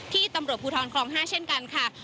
ที่ตำรวจภูทรคลอง๕เช่นกันค่ะ